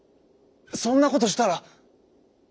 「そんなことしたら！」。